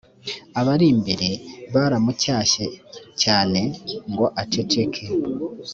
abarimbere baramucyashye cyane ngo aceceke.